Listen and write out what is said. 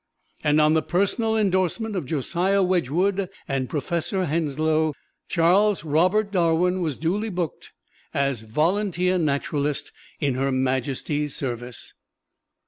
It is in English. And on the personal endorsement of Josiah Wedgwood and Professor Henslow, Charles Robert Darwin was duly booked as Volunteer Naturalist in Her Majesty's service.